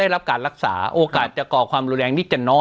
โรคจิตรุนแรง